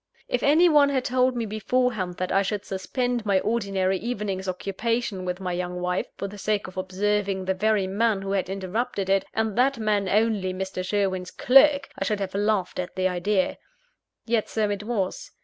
If any one had told me beforehand, that I should suspend my ordinary evening's occupation with my young wife, for the sake of observing the very man who had interrupted it, and that man only Mr. Sherwin's clerk, I should have laughed at the idea. Yet so it was.